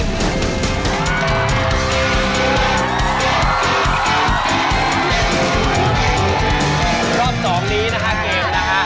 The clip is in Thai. รอบสองนี้นะคะเกมส์นะคะ